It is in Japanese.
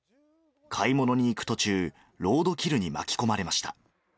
買い物に行く途中、ロードキルに巻き込まれました。